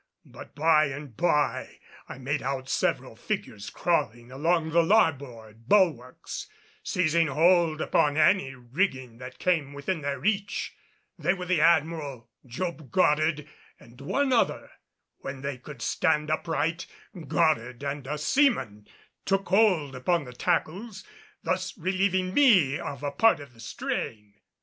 But by and by I made out several figures crawling along the larboard bulwarks, seizing hold upon any rigging that came within their reach. They were the Admiral, Job Goddard and one other. When they could stand upright, Goddard and a seaman took hold upon the tackles, thus relieving me of a part of the strain.